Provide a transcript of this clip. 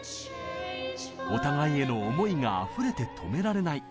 お互いへの思いがあふれて止められない